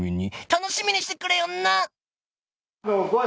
「楽しみにしてくれよな！」